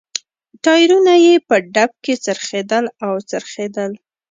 ټایرونه یې په ډب کې څرخېدل او څرخېدل.